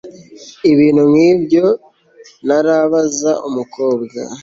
ibintu nkibyo ntarabaza umukobwa